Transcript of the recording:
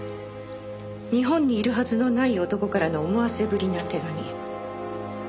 日本にいるはずのない男からの思わせぶりな手紙。